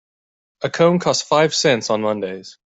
A cone costs five cents on Mondays.